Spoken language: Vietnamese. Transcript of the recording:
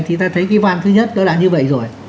thì ta thấy cái van thứ nhất nó đã như vậy rồi